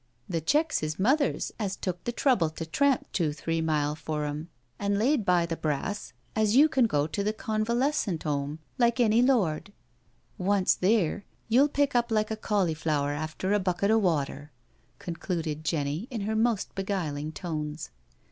The checks is mother's, as took the trouble to tramp two three mile for 'em, an' laid by the brass so as you can go to the Convalescent *Ome like any lord. Once theer, you'll pick up likd a cauliflower after a bucket o' water," con cluded Jenny in her most beguiling tones.